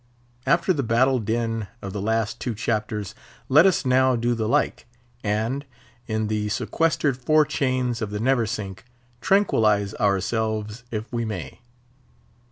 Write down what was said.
After the battle din of the last two chapters, let us now do the like, and, in the sequestered fore chains of the Neversink, tranquillise ourselves, if we may.